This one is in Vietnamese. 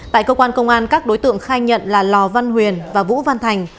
tại cơ quan công an các đối tượng khai nhận là lò văn huyền và vũ văn thành